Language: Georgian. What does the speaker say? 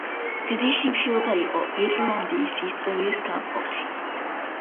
დიდი შიმშილობა იყო ირლანდიის ისტორიის გამყოფი.